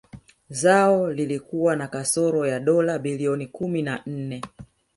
Zao lilikuwa na kasoro ya dola bilioni kumi na nne